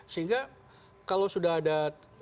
sehingga kalau sudah ada